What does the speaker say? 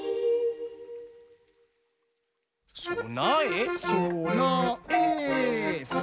「そなえそなえる！」